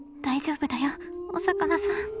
大丈夫だよおさかなさん。